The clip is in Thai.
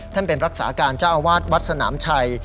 เป็นรักษาการเจ้าอาวาสวัดสนามชัย